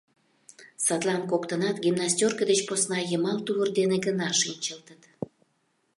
Садлан коктынат гимнастёрко деч посна, йымал тувыр дене гына шинчылтыт.